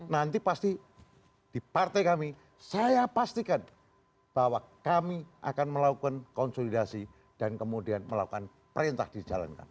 nanti pasti di partai kami saya pastikan bahwa kami akan melakukan konsolidasi dan kemudian melakukan perintah dijalankan